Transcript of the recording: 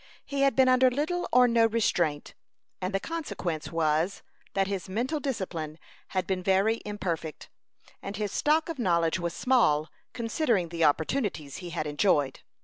He had been under little or no restraint; and the consequence was, that his mental discipline had been very imperfect, and his stock of knowledge was small, considering the opportunities he had enjoyed.